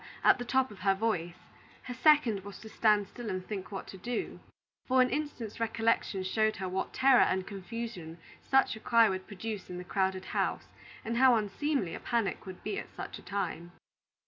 at the top of her voice; her second was to stand still and think what to do, for an instant's recollection showed her what terror and confusion such a cry would produce in the crowded house, and how unseemly a panic would be at such a time.